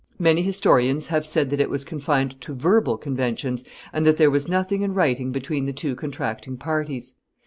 Many historians have said that it was confined to verbal conventions, and that there was nothing in writing between the two contracting parties.